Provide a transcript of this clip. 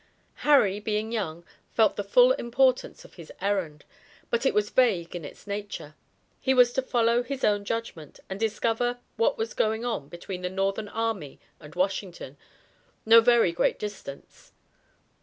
Harry, being young, felt the full importance of his errand, but it was vague in its nature. He was to follow his own judgment and discover what was going on between the Northern army and Washington, no very great distance.